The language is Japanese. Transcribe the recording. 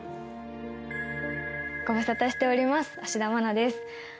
ご無沙汰しております芦田愛菜です。